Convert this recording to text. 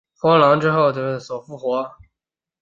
荒狼之后被狄萨德所复活。